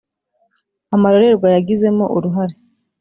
amarorerwa yagizemo uruhare.